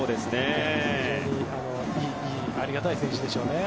非常にありがたい選手でしょうね。